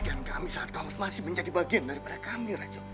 kenapa kau bagian kami saat kau masih menjadi bagian daripada kami rajo